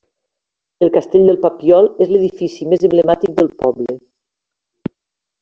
El castell del Papiol és l'edifici més emblemàtic del poble.